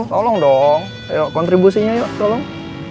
tolong dong kontribusinya yuk tolong